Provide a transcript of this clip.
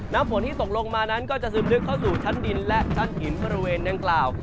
น้ำฝนที่ตกลงมานั้นก็จะซึมลึกเข้าสู่ชั้นดินและชั้นหินบริเวณดังกล่าว